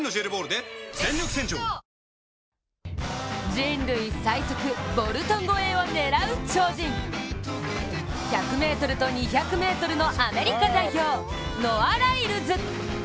人類最速・ボルト超えを狙う超人、１００ｍと２００ｍのアメリカ代表、ノア・ライルズ！